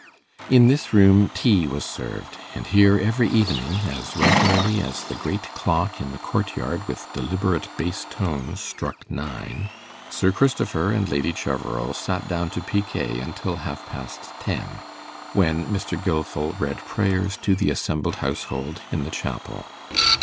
In this room tea was served; and here, every evening, as regularly as the great clock in the courtyard with deliberate bass tones struck nine, Sir Christopher and Lady Cheverel sat down to picquet until half past ten, when Mr. Gilfil read prayers to the assembled household in the chapel.